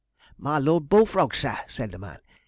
"My Lor' Bullfrog's, sir," said the man.